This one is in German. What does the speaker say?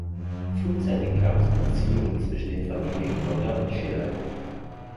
Frühzeitig gab es Beziehungen zwischen den Familien Cotta und Schiller.